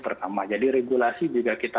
pertama jadi regulasi juga kita